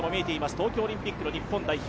東京オリンピックの日本代表。